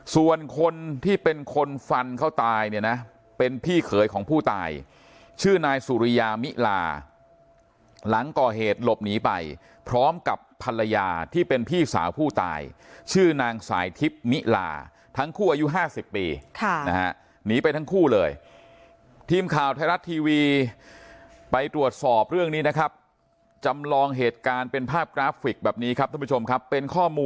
ส่วนคนที่เป็นคนฟันเขาตายเนี่ยนะเป็นพี่เขยของผู้ตายชื่อนายสุริยามิลาหลังก่อเหตุหลบหนีไปพร้อมกับภรรยาที่เป็นพี่สาวผู้ตายชื่อนางสายทิพย์มิลาทั้งคู่อายุ๕๐ปีนะฮะหนีไปทั้งคู่เลยทีมข่าวไทยรัฐทีวีไปตรวจสอบเรื่องนี้นะครับจำลองเหตุการณ์เป็นภาพกราฟิกแบบนี้ครับท่านผู้ชมครับเป็นข้อมูล